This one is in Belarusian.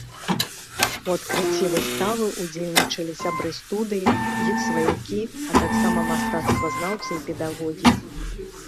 У адкрыцці выставы ўдзельнічалі сябры студыі, іх сваякі, а таксама мастацтвазнаўцы і педагогі.